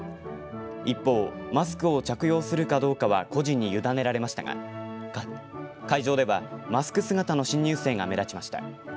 一方、マスクを着用するかどうかは個人に委ねられましたが会場ではマスク姿の新入生が目立ちました。